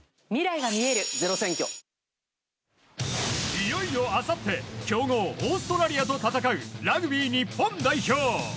いよいよあさって強豪オーストラリアと戦うラグビー日本代表。